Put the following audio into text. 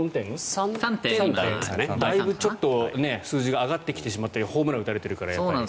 ３点ですかね、だいぶ数字が上がってきてしまってホームランを打たれてるから。